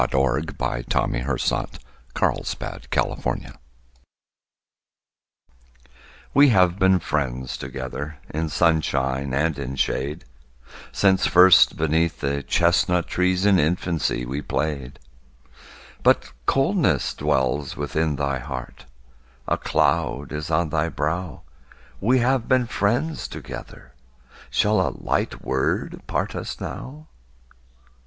Caroline Norton We Have Been Friends Together WE have been friends together In sunshine and in shade, Since first beneath the chestnut trees, In infancy we played. But coldness dwells within thy heart, A cloud is on thy brow; We have been friends together, Shall a light word part us now?